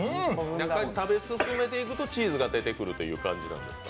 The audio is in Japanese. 食べ進めていくとチーズが出てくる感じですか？